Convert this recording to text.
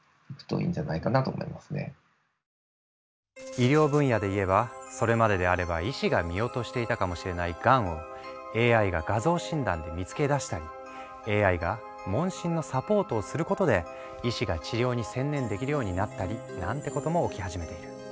医療分野で言えばそれまでであれば医師が見落としていたかもしれないがんをＡＩが画像診断で見つけ出したりＡＩが問診のサポートをすることで医師が治療に専念できるようになったりなんてことも起き始めている。